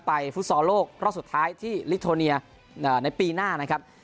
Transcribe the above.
ฟุตซอลโลกรอบสุดท้ายที่ลิโทเนียในปีหน้านะครับ